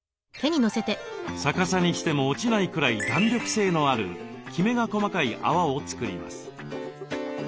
逆さにしても落ちないくらい弾力性のあるきめが細かい泡を作ります。